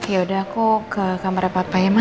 yaudah aku ke kamar papa ya ma